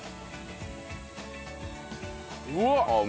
うわっ！